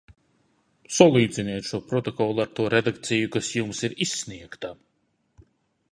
Salīdziniet šo protokolu ar to redakciju, kas jums ir izsniegta.